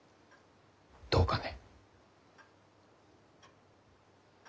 どうかね？